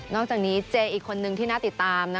อกจากนี้เจอีกคนนึงที่น่าติดตาม